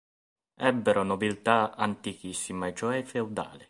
Ebbero nobiltà antichissima e cioè feudale.